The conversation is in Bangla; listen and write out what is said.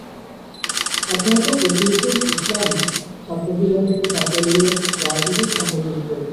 অধ্যাপক রফিকুল ইসলাম ছাত্রজীবন থেকে ছাত্রলীগের রাজনীতির সঙ্গে যুক্ত।